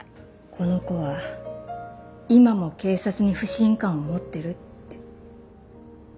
この子は今も警察に不信感を持ってるって。